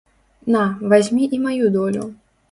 На, вазьмі і на маю долю!